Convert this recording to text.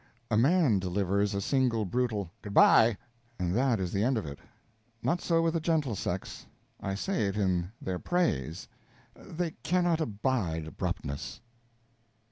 A man delivers a single brutal "Good by," and that is the end of it. Not so with the gentle sex I say it in their praise; they cannot abide abruptness.